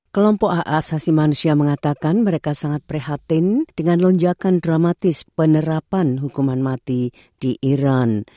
kelompok hak asasi manusia mengatakan mereka sangat perhatian dengan lonjakan dramatis penerapan hukuman mati di iran